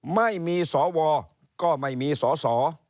ไม่มีสวก็ไม่มีสอสอ